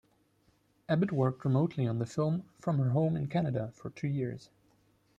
Abbott worked remotely on the film from her home in Canada for two years.